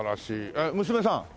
えっ娘さん？